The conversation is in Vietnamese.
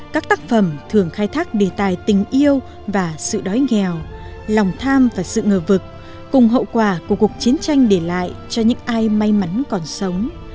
các tác phẩm thường khai thác đề tài tình yêu và sự đói nghèo lòng tham và sự ngờ vực cùng hậu quả của cuộc chiến tranh để lại cho những ai may mắn còn sống